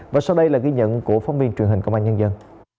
và sau đây là ghi nhận của phóng viên truyền hình công an nhân dân